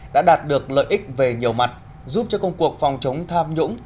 đã đạt được lợi ích về nhiều mặt giúp cho công cuộc phòng chống tham nhũng